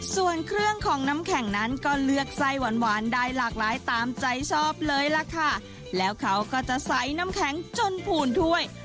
ส่วนเครื่องของน้ำแข็งนั้นก็เลือกไส้หวานหวานได้หลากหลายตามใจชอบเลยล่ะค่ะแล้วเขาก็จะใส่น้ำแข็งจนผูนถ้วย